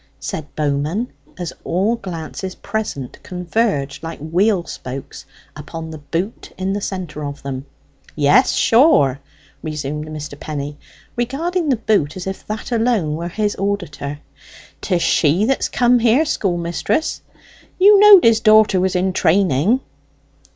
said Bowman, as all glances present converged like wheel spokes upon the boot in the centre of them. "Yes, sure," resumed Mr. Penny, regarding the boot as if that alone were his auditor; "'tis she that's come here schoolmistress. You knowed his daughter was in training?"